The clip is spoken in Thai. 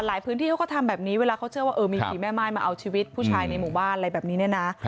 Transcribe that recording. พื้นที่เขาก็ทำแบบนี้เวลาเขาเชื่อว่าเออมีผีแม่ม่ายมาเอาชีวิตผู้ชายในหมู่บ้านอะไรแบบนี้เนี่ยนะ